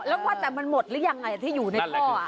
แล้วก็แต่มันหมดหรือยังไงที่อยู่ในท่อ